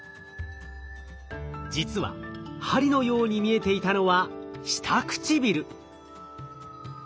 実は針のように見えていたのは下唇。